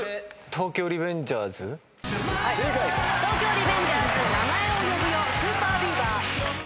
『東京リベンジャーズ』『名前を呼ぶよ』ＳＵＰＥＲＢＥＡＶＥＲ。